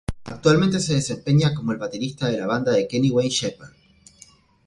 Actualmente se desempeña como el baterista de la banda de Kenny Wayne Shepherd.